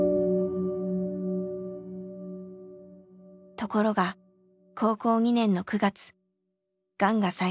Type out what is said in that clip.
ところが高校２年の９月がんが再発。